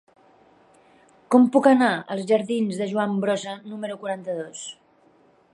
Com puc anar als jardins de Joan Brossa número quaranta-dos?